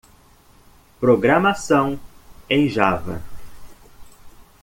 Programação em Java.